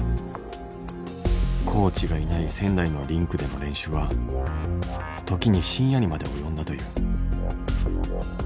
コーチがいない仙台のリンクでの練習は時に深夜にまで及んだという。